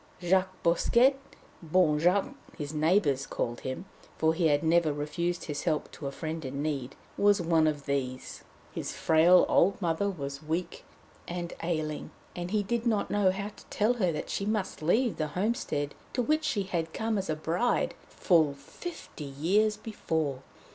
Jacques Bosquet Bon Jacques his neighbours called him, for he had never refused his help to a friend in need was one of these. His frail old mother was weak and ailing, and he did not know how to tell her that she must leave the homestead to which she had come as a bride, full fifty years before.